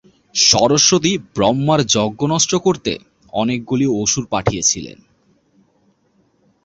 সরস্বতী ব্রহ্মার যজ্ঞ নষ্ট করতে অনেকগুলি অসুর পাঠিয়েছিলেন।